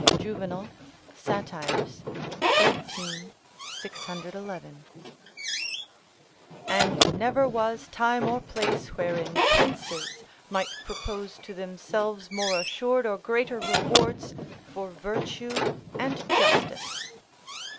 Juvenal, Sat., xiii. 611.] and never was time or place wherein princes might propose to themselves more assured or greater rewards for virtue and justice.